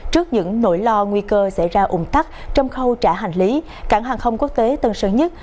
trước những nỗi lo nguy cơ xảy ra ủng tắc trong khâu trả hành lý cảng hàng không quốc tế tân sơn nhất